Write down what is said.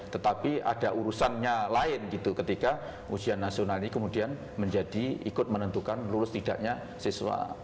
tetapi ada urusannya lain gitu ketika ujian nasional ini kemudian menjadi ikut menentukan lulus tidaknya siswa